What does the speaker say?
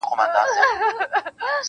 ستا دردونه دي نیمی و ماته راسي-